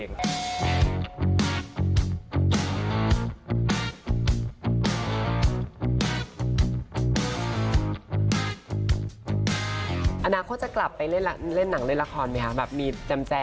คุณผู้ชมไม่เจนเลยค่ะถ้าลูกคุณออกมาได้มั้ยคะ